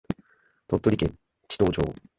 鳥取県智頭町